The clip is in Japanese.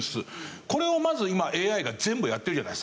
これをまず今ＡＩが全部やってるじゃないですか。